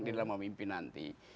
dalam memimpin nanti